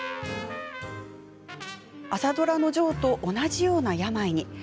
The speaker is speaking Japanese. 朝ドラのジョーと同じような病に。